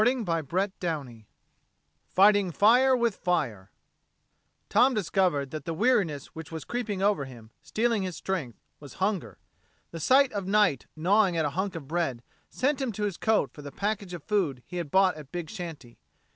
CHAPTER THIRTEEN FIGHTING WITH FIRE Tom discovered that the weariness which was creeping over him, stealing his strength, was hunger. The sight of Knight gnawing at a hunk of bread sent him to his coat for the package of food he had bought at Big Shanty.